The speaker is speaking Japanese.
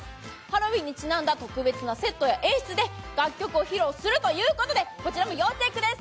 ハロウィーンにちなんだ特別なセットや演出で楽曲を披露するということで、こちらも要チェックです！